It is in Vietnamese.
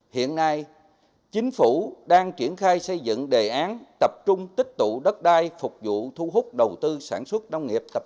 hiện nay chính phủ đang triển khai xây dựng đề án tập trung tích tụ đất đai phục vụ thu hút đồng nghiệp